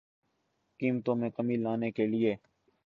قیمتوں میں کمی لانے کیلئے